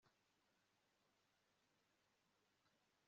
inama abandi bagize guverinoma